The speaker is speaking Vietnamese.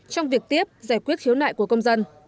trong việc tiếp giải quyết khiếu nại của công dân